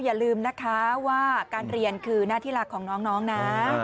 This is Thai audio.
อย่าลืมนะคะว่าการเรียนคือหน้าที่รักของน้องนะ